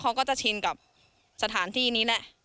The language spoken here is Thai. เขาก็จะชินกับสถานที่นี้แหละ